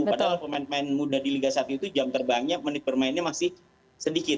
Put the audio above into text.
padahal pemain pemain muda di liga satu itu jam terbangnya menit bermainnya masih sedikit